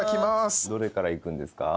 どれからいくんですか？